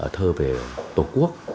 thơ về tổ quốc